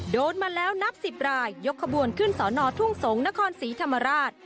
โดนมาแล้วนับ๑๐รายยกขบวนขึ้นสอนอทุ่งสงศ์นครศรีธรรมราช